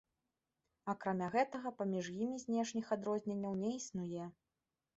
Акрамя гэтага, паміж імі знешніх адрозненняў не існуе.